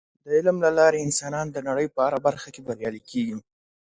د علم له لارې انسانان د نړۍ په هره برخه کې بریالي کیږي.